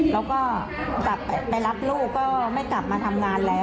แล้วก็กลับไปรับลูกก็ไม่กลับมาทำงานแล้ว